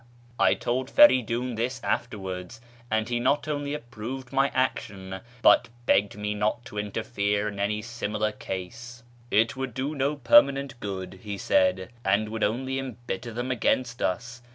I told Feridun this afterwards, and he not only approved my action, but begged me not to interfere in any similar case. " It would do no permanent good," he said, " and would only embitter them against us.